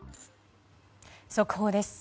速報です。